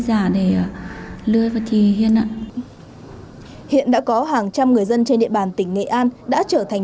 trên địa bàn tỉnh nghệ an đã trở thành